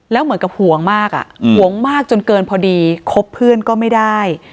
แล้วเหมือนกับห่วงมากอ่ะห่วงมากจนเกินพอดีคบเพื่อนก็ไม่ได้